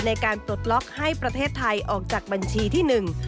ในการปลดล็อกให้ประเทศไทยออกจากบัญชีที่หนึ่ง